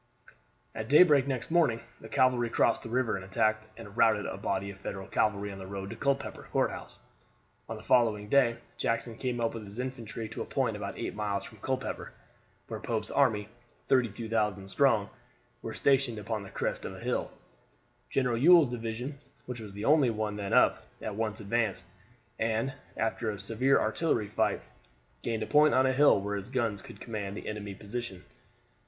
At daybreak next morning the cavalry crossed the river and attacked and routed a body of Federal cavalry on the road to Culpepper Courthouse. On the following day Jackson came up with his infantry to a point about eight miles from Culpepper, where Pope's army, 32,000 strong, were stationed upon the crest of a hill. General Ewell's division, which was the only one then up, at once advanced, and, after a severe artillery fight, gained a point on a hill where his guns could command the enemy's position.